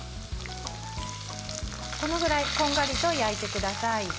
このぐらいこんがりと焼いてください。